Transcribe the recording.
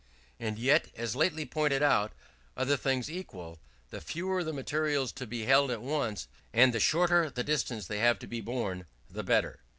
And yet, as lately pointed out, other things equal, the fewer the materials to be held at once, and the shorter the distance they have to be borne, the better.